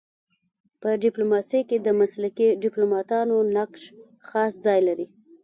په ډيپلوماسی کي د مسلکي ډيپلوماتانو نقش خاص ځای لري.